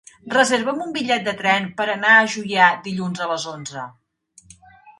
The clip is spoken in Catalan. Reserva'm un bitllet de tren per anar a Juià dilluns a les onze.